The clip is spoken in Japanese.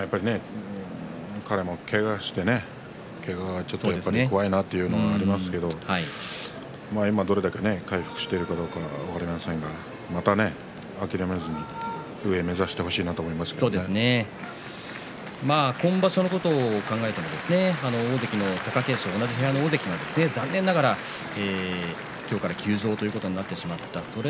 彼も、けがをしてけがはやっぱり怖いなというのもありますけれども今どれだけ回復してるか分かりませんが諦めずに上を目指してほしいなと今場所のことを考えても大関の貴景勝同じ部屋の大関、残念ながら今日から休場ということになってしまった。